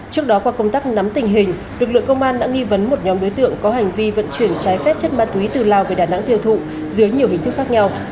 trước đó qua công tác nắm tình hình lực lượng công an đã nghi vấn một nhóm đối tượng có hành vi vận chuyển trái phép chất ma túy từ lào về đà nẵng tiêu thụ dưới nhiều hình thức khác nhau